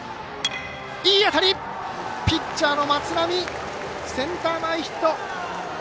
ピッチャーの松波センター前ヒット！